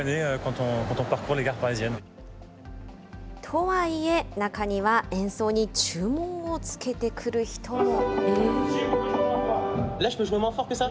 とはいえ、中には演奏に注文をつけてくる人も。